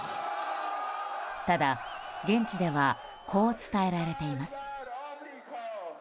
ただ、現地ではこう伝えられています。